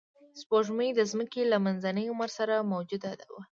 سپوږمۍ د ځمکې له منځني عمر سره موجوده وه